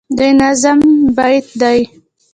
د نظم بیت دی